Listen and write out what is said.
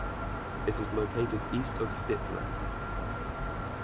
It is located east of Stettler.